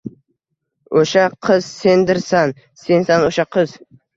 O’sha qiz sendirsan, sansan o’sha qiz!